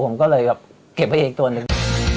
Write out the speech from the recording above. ผมก็เลยเก็บไปเองตัวนึง